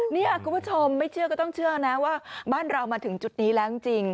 นี่คุณผู้ชมไม่เชื่อก็ต้องเชื่อนะว่าบ้านเรามาถึงจุดนี้แล้วจริง